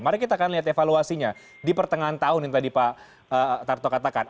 mari kita akan lihat evaluasinya di pertengahan tahun yang tadi pak tarto katakan